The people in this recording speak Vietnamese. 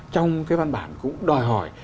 trong cái văn bản cũng đòi hỏi